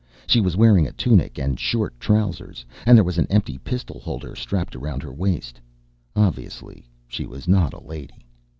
She was wearing a tunic and short trousers, and there was an empty pistol holster strapped around her waist. Obviously, she was not a lady.